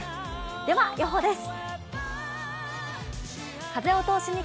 では予報です。